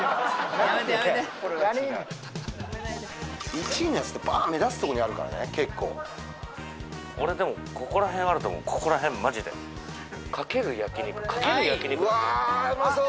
１位のやつってバーン目立つとこにあるからね結構俺でもここら辺あると思うここら辺マジでかける焼肉かける焼肉ってうわあうまそう！